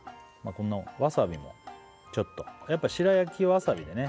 このワサビもちょっとやっぱ白焼きはワサビでね